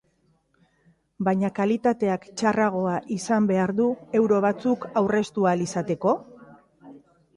Baina kalitateak txarragoa izan behar du euro batzuk aurreztu ahal izateko?